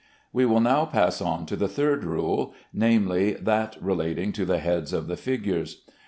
We will now pass on to the third rule, namely, that relating to the heads of the figures.